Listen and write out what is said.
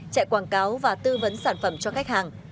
chạy quảng cáo và tư vấn sản phẩm cho khách hàng